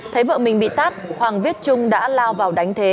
thế vợ mình bị tắt hoàng viết trung đã lao vào đánh thế